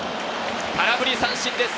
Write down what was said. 空振り三振です。